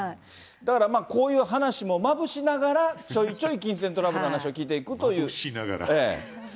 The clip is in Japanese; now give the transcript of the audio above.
だから、こういう話もまぶしながら、ちょいちょい金銭トラブルの話を聞いていくという。